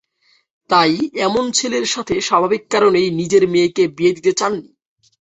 তাই এমন ছেলের সাথে স্বাভাবিক কারণেই নিজের মেয়েকে বিয়ে দিতে চাননি।